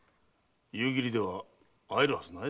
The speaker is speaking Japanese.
夕霧では会えるはずないだろう。